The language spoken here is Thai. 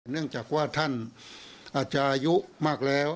เนื่องจากว่าท่านอาจจะอายุมากแล้ว